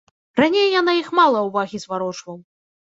Раней я на іх мала ўвагі зварочваў.